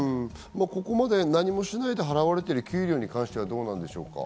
ここまで何もしないで払われている給料に関してはどうなんでしょうか。